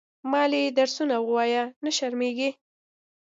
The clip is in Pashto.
مالې درسونه ووايه نه شرمېږې.